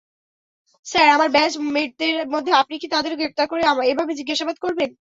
Sir, আমার ব্যাচ-মেটদের মধ্যে আপনি কি তাদেরও গ্রেফতার করে এভাবে জিজ্ঞাসাবাদ করবেন?